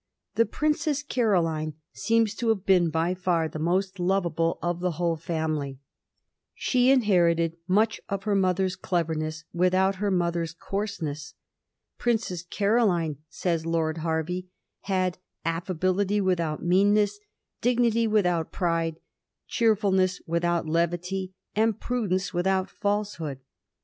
The Princess Caroline seems to have been by far the most lovable of the whole family. She inherited much of her mother's cleverness without her mother's coarse ness. " Princess Caroline," says Lord Hervey, " had affa bility without meanness, dignity without pride, cheerful ness without levity, and prudence without falsehood."